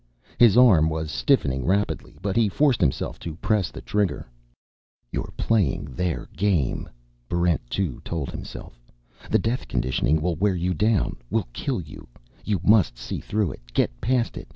His arm was stiffening rapidly, but he forced himself to press the trigger.... You're playing their game, Barrent 2 told himself. The death conditioning will wear you down, will kill you. _You must see through it, get past it.